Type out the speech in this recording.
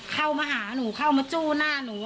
เข้ามาหาหนูเข้ามาจู้หน้าหนู